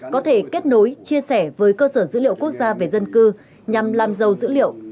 có thể kết nối chia sẻ với cơ sở dữ liệu quốc gia về dân cư nhằm làm giàu dữ liệu